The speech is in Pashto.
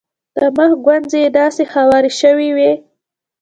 د مخ ګونځې یې داسې هوارې شوې وې.